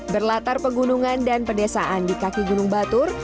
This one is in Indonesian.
berlatar pegunungan dan pedesaan di kaki gunung batur